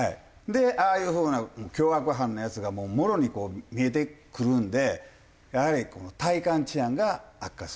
でああいう風な凶悪犯のやつがもうもろに見えてくるんでやはり体感治安が悪化するというのが現状です。